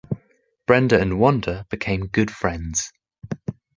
Brenda and Wanda became good friends.